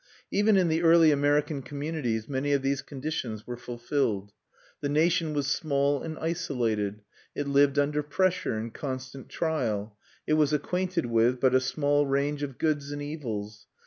Even in the early American communities many of these conditions were fulfilled. The nation was small and isolated; it lived under pressure and constant trial; it was acquainted with but a small range of goods and evils.